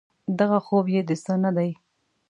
دغه خوب بې د څه نه دی.